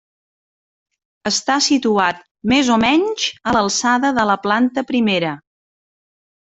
Està situat més o menys a l'alçada de la planta primera.